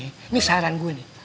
ini saran gue nih